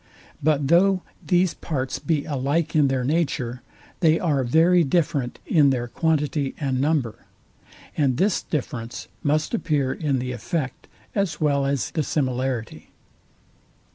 But though these parts be alike in their nature, they are very different in their quantity and number; and this difference must appear in the effect as well as the similarity.